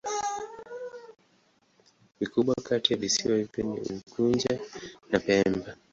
Vikubwa kati ya visiwa hivyo ni Unguja na Pemba.